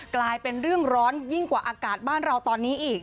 กลายเป็นเรื่องร้อนยิ่งกว่าอากาศบ้านเราตอนนี้อีก